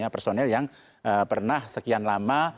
lima personil yang pernah sekian lama